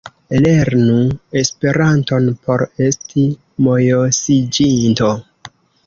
Lernu Esperanton por esti mojosiĝinto!